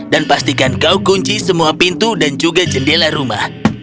dan pastikan kau kunci semua pintu dan juga jendela rumah